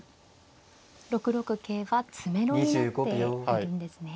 ６六桂は詰めろになっているんですね。